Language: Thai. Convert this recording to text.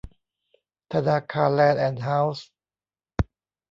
ธนาคารแลนด์แอนด์ เฮ้าส์